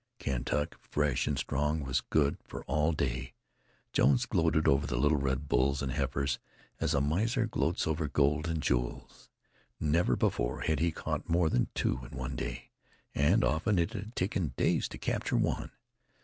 Kentuck, fresh and strong, was good for all day. Jones gloated over the little red bulls and heifers, as a miser gloats over gold and jewels. Never before had he caught more than two in one day, and often it had taken days to capture one.